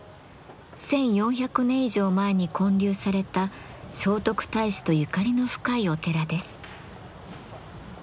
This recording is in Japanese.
１，４００年以上前に建立された聖徳太子とゆかりの深いお寺です。